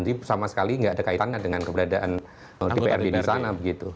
jadi sama sekali gak ada kaitannya dengan keberadaan dprd disana